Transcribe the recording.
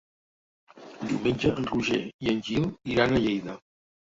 Diumenge en Roger i en Gil iran a Lleida.